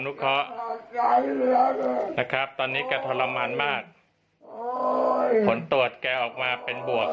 นะครับตอนนี้แกทรมานมากผลตรวจแกออกมาเป็นบวก